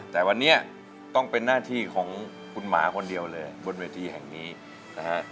แต่วันนี้ต้องเป็นหน้าที่ของคุณหมาคนเดียวเลยบนเวทีแห่งนี้นะฮะ